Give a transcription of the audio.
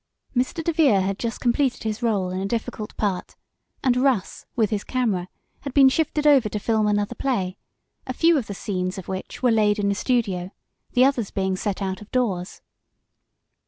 Mr. DeVere had just completed his rôle in a difficult part, and Russ, with his camera, had been shifted over to film another play, a few of the scenes of which were laid in the studio, the others being set out of doors.